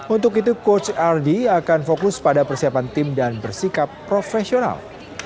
untuk itu coach ardi akan fokus pada persiapan tim dan bersikap profesional